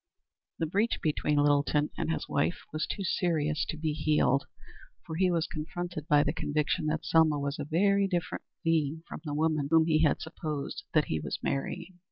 The breach between Littleton and his wife was too serious to be healed, for he was confronted by the conviction that Selma was a very different being from the woman whom he had supposed that he was marrying.